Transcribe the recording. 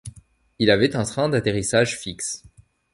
Il avait un train d'atterrissage fixe.